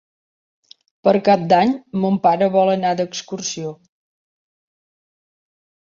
Per Cap d'Any mon pare vol anar d'excursió.